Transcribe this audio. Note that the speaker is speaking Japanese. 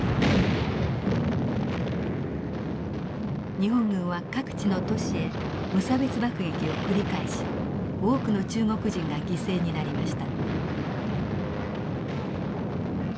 日本軍は各地の都市へ無差別爆撃を繰り返し多くの中国人が犠牲になりました。